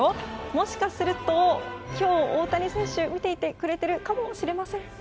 もしかすると今日、大谷選手見ていてくれているかもしれません。